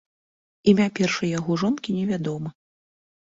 Імя першай яго жонкі невядома.